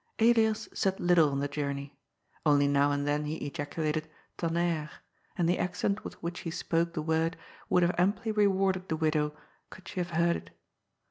Elias said little on the journey. Only now and then he ejaculated " Tonnerre," and the accent with which he spoke the word would have amply rewarded the widow could she have heard it.